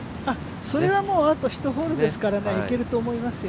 それはもうあと１ホールですからいけると思いますよ。